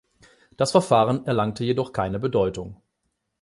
Das Verfahren erlangte jedoch keine Bedeutung.